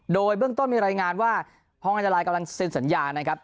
โดยเบื้องต้นมีรายงานว่าห้องอันตรายกำลังเซ็นสัญญานะครับ